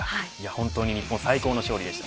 本当に日本、最高の勝利でした。